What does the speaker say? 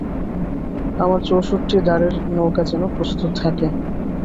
আমার চৌষট্টি দাঁড়ের নৌকা যেন প্রস্তুত থাকে।